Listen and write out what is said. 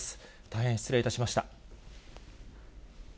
大変失礼いたしました。